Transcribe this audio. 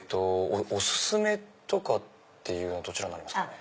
お薦めとかっていうのはどちらになりますかね？